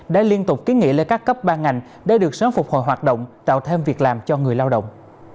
đã liên tục kiến nghị lên các cấp ban ngành để được sớm phục hồi hoạt động tạo thêm việc làm cho người lao động